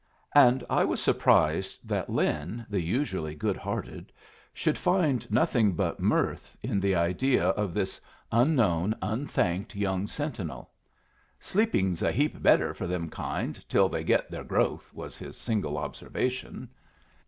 And I was surprised that Lin, the usually good hearted, should find nothing but mirth in the idea of this unknown, unthanked young sentinel. "Sleeping's a heap better for them kind till they get their growth," was his single observation.